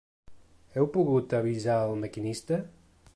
Heu pogut avisar al maquinista?